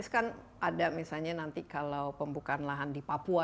kan ada misalnya nanti kalau pembukaan lahan di papua